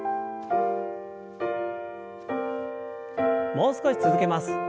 もう少し続けます。